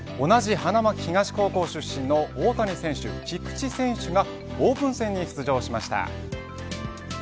同じ花巻東高校出身の大谷選手菊池選手がオープン戦に出場しました。